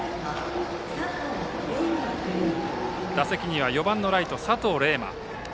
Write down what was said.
打席には４番のライト佐藤玲磨。